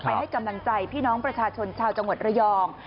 ให้กำลังใจพี่น้องประชาชนชาวจังหวัดระยอง